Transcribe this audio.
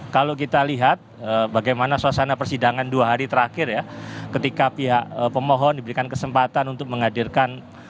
kalau kita lihat bagaimana suasana persidangan dua hari terakhir ya ketika pihak pemohon diberikan kesempatan untuk menghadirkan